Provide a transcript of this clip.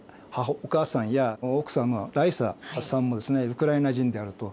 お母さんや奥さまライサさんもウクライナ人であると。